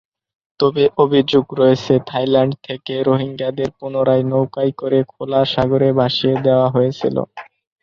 তবে অভিযোগ রয়েছে থাইল্যান্ড থেকে রোহিঙ্গাদের পুনরায় নৌকায় করে খোলা সাগরে ভাসিয়ে দেওয়া হয়েছিল।